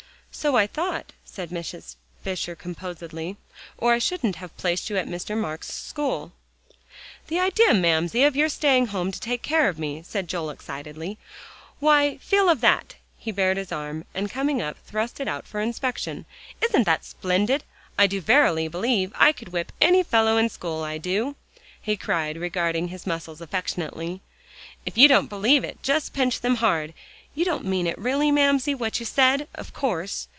"So I thought," said Mrs. Fisher composedly, "or I shouldn't have placed you at Mr. Marks's school." "The idea, Mamsie, of your staying at home to take care of me," said Joel excitedly. "Why, feel of that." He bared his arm, and coming up, thrust it out for inspection. "Isn't that splendid? I do verily believe I could whip any fellow in school, I do," he cried, regarding his muscles affectionately. "If you don't believe it, just pinch them hard. You don't mean it really, Mamsie, what you said, of course.